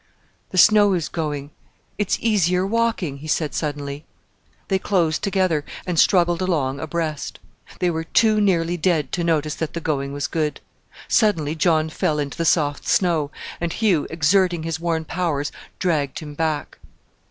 "The snow is going it's easier walking," he said suddenly. They closed together, and struggled along abreast. They were too nearly dead to notice that the going was good. Suddenly John fell into the soft snow, and Hugh, exerting his worn powers, dragged him back.